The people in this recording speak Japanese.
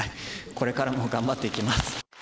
これからも頑張っていきます。